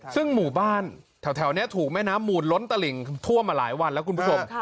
ซึ่งหมู่บ้านแถวนี้ถูกแม่น้ำมูลล้นตลิ่งท่วมมาหลายวันแล้วคุณผู้ชม